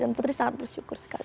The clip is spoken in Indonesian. dan putri sangat bersyukur sekali